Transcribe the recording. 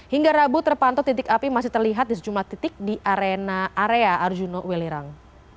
hingga rabu terpantau titik api masih terlihat di sejumlah titik di arena area arjuna welirang